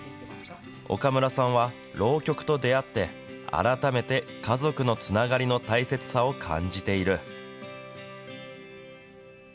岡村さんは浪曲と出会って、改めて家族のつながりを大切さを感じている。